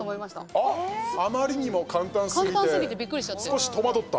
あまりにも簡単すぎて少し戸惑った？